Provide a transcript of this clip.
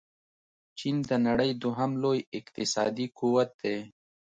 چين د نړۍ دوهم لوی اقتصادي قوت دې.